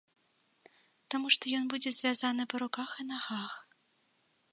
Таму што ён будзе звязаны па руках і нагах.